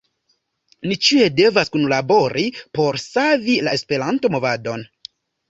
Ni ĉiuj devas kunlabori por savi la Esperanto-movadon.